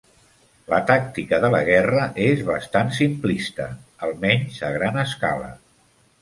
La tàctica de la guerra és bastant simplista, almenys a gran escala.